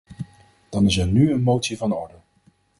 Dan is er nu een motie van orde.